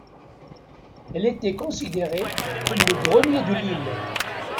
Elle était considérée comme le grenier de l'île.